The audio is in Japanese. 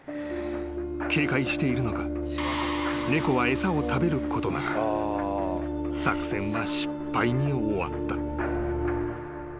［警戒しているのか猫は餌を食べることなく作戦は失敗に終わった］